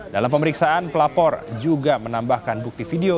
dalam pemeriksaan pelapor juga menambahkan bukti video